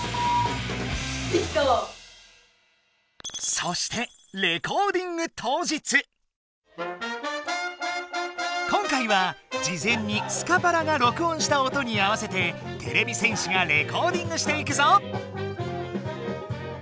そして今回はじぜんにスカパラが録音した音に合わせててれび戦士がレコーディングしていくぞ。